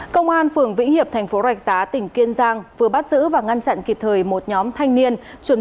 công an phường vĩnh hiệp thành phố rạch giá tỉnh kiên giang vừa bắt giữ và ngăn chặn kịp thời một nhóm thanh niên